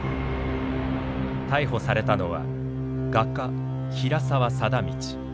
逮捕されたのは画家平沢貞通。